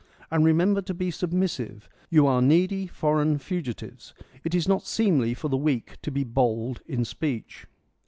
And remember to be submissive — you are needy foreign fugitives — it is not seemly for the weak to be bold in speech.